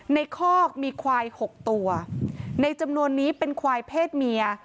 คอกมีควายหกตัวในจำนวนนี้เป็นควายเพศเมีย